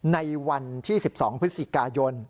ในวันที่๑๒พฤศจิกายน